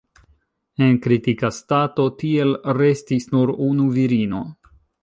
En kritika stato tiel restis nur unu virino.